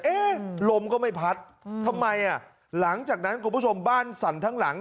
เอ๊ะลมก็ไม่พัดทำไมอ่ะหลังจากนั้นคุณผู้ชมบ้านสั่นทั้งหลัง